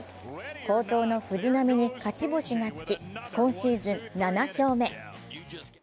好投の藤浪に勝ち星がつき、今シーズン７勝目。